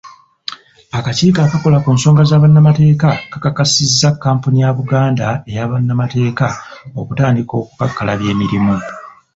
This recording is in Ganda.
Akakiiko akakola ku nsonga z'abannamateeka, kakakasizza kampuni ya Buganda eya Bannamateeka okutandika okukakkalabya emirimu.